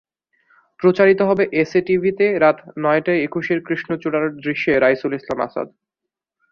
প্রচারিত হবে এসএ টিভিতে রাত নয়টায়একুশের কৃষ্ণচূড়ার দৃশ্যে রাইসুল ইসলাম আসাদ।